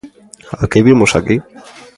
¿A que vimos aquí?